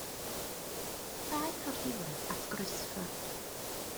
Daeth o'r diwedd at groesffordd.